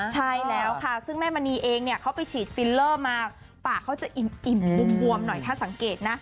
ใช่แล้วค่ะซึ่งแม่มณีเองเนี่ยเขาไปฉีดฟิลเลอร์มาปากเขาจะอิ่มบวมหน่อยถ้าสังเกตนะ